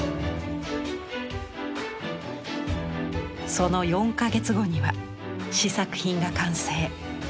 その４か月後には試作品が完成。